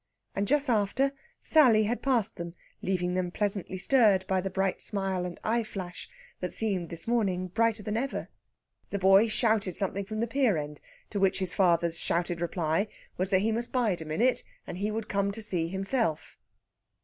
And, just after, Sally had passed them, leaving them pleasantly stirred by the bright smile and eye flash that seemed this morning brighter than ever. The boy shouted something from the pier end, to which his father's shouted reply was that he must bide a minute and he would come to see himself.